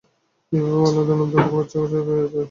এইভাবে তিনি অনাদি অনন্ত কাল কার্য করিয়া চলিয়াছেন।